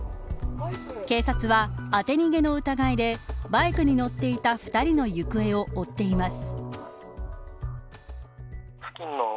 警察は、当て逃げの疑いでバイクに乗っていた２人の行方を追っています。